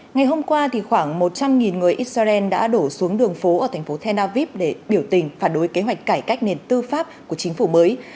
ngày hôm qua khoảng một trăm linh người israel đã đổ xuống đường phố ở thành phố tel aviv để biểu tình phản đối kế hoạch cải cách nền tư pháp của chính phủ mới